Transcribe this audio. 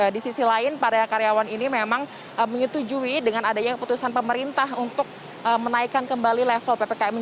di sisi lain para karyawan ini memang menyetujui dengan adanya keputusan pemerintah untuk menaikkan kembali level ppkm